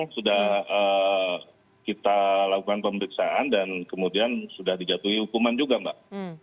sudah kita lakukan pemeriksaan dan kemudian sudah dijatuhi hukuman juga mbak